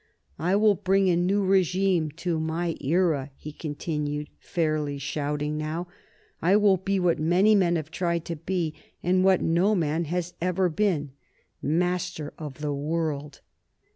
"I will bring a new regime to my era!" he continued, fairly shouting now. "I will be what many men have tried to be, and what no man has ever been master of the world!